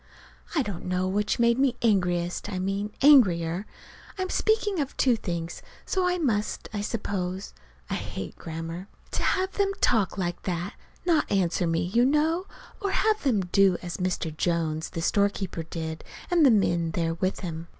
I don't know which made me angriest I mean angrier. (I'm speaking of two things, so I must, I suppose. I hate grammar!) To have them talk like that not answer me, you know or have them do as Mr. Jones, the storekeeper, did, and the men there with him.